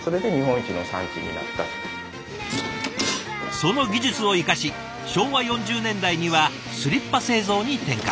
その技術を生かし昭和４０年代にはスリッパ製造に転換。